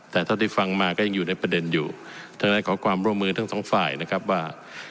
แต่เท่าที่ฟังมาก็ยังอยู่ในประเด็นอยู่ฉะนั้นขอความร่วมมือทั้งสองฝ่ายนะครับว่า